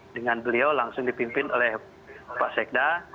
dengan beliau langsung dipimpin oleh pak sekda